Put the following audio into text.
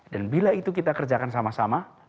dan bila itu kita kerjakan sama sama